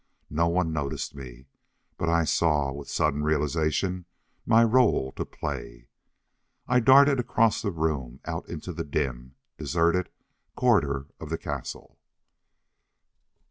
No one noticed me, but I saw, with sudden realization, my role to play. I darted across the room, out into the dim, deserted corridor of the castle.